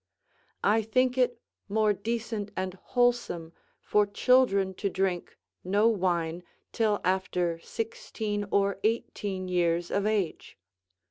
I think it more decent and wholesome for children to drink no wine till after sixteen or eighteen years of age.